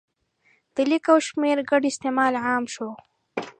د لیک او شمېر ګډ استعمال عام شو.